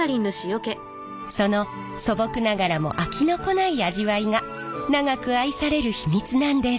その素朴ながらも飽きのこない味わいが長く愛される秘密なんです。